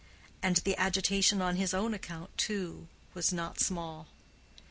And the agitation on his own account, too, was not small.